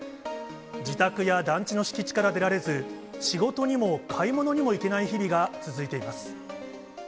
自宅や団地の敷地から出られず、仕事にも買い物にも行けない日々が続いています。